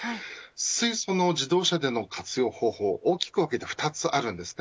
水素の自動車での活用方法は大きく分けて２つあります。